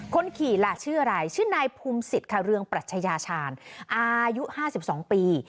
คนขี่ล่ะชื่ออะไรชื่อนายภูมิศิษย์ค่ะเรืองปรัชญาชาญอายุ๕๒ปี